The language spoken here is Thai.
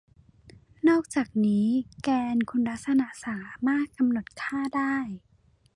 นอกจากนี้แกนคุณลักษณะสามารถกำหนดค่าได้